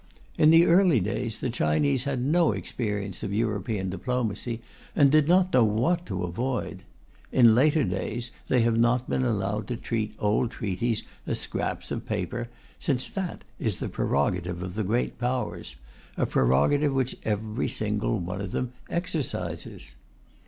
In the early days, the Chinese had no experience of European diplomacy, and did not know what to avoid; in later days, they have not been allowed to treat old treaties as scraps of paper, since that is the prerogative of the Great Powers a prerogative which every single one of them exercises.